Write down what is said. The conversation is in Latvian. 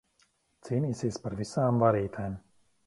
Cīnīsies par visām varītēm.